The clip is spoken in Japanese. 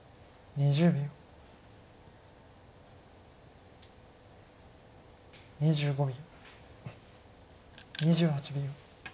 ２８秒。